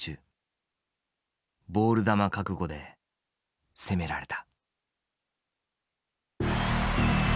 ボール球覚悟で攻められた。